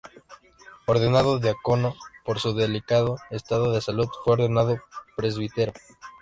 Ordenado diácono, por su delicado estado de salud fue ordenado Presbítero.